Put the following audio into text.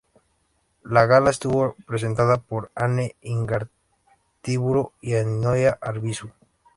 La gala estuvo presentada por Anne Igartiburu y Ainhoa Arbizu.